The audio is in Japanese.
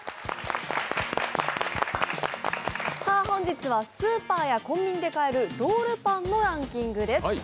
本日はスーパーやコンビニで買えるロールパンのランキングです。